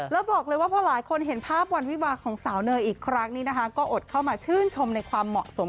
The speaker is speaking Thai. แล้วบอกเลยว่าพอหลายคนเห็นภาพวันวิวาของสาวเนยอีกครั้งนี้นะคะก็อดเข้ามาชื่นชมในความเหมาะสม